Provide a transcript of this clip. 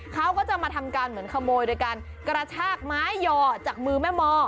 เขาก็จะมาทำการเหมือนขโมยโดยการกระชากไม้ย่อจากมือแม่มอ